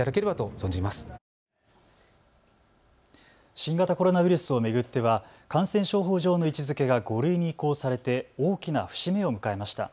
新型コロナウイルスを巡っては感染症法上の位置づけが５類に移行されて大きな節目を迎えました。